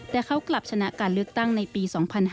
แต่เขากลับชนะการเลือกตั้งในปี๒๕๕๙